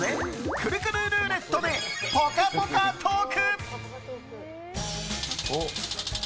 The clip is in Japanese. くるくるルーロットでぽかぽかトーク。